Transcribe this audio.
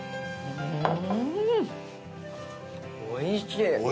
うん！